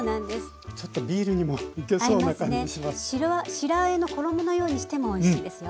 しらあえの衣のようにしてもおいしいですよ。